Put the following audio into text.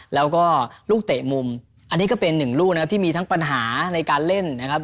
แล้วก็ลูกเตะมุมอันนี้ก็เป็นหนึ่งลูกนะครับที่มีทั้งปัญหาในการเล่นนะครับ